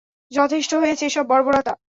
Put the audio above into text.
যথেষ্ট হয়েছে এসব বর্বরতা।